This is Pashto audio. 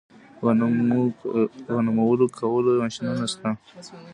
د غنمو لو کولو ماشینونه شته